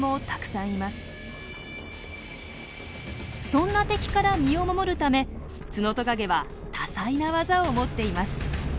そんな敵から身を守るためツノトカゲは多彩な技を持っています。